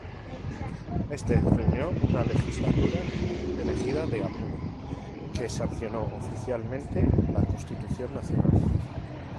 Éste reunió una legislatura elegida de apuro, que sancionó oficialmente la Constitución Nacional.